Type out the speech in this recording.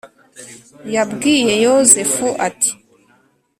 Yabwiye yozefu ati